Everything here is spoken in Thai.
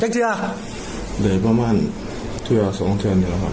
เจ้าเชื้อเดี๋ยวประมาณเชื้อสองเชื้อหนึ่งละครับ